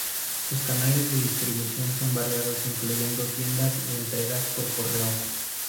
Sus canales de distribución son variados incluyendo tiendas y entregas por correo.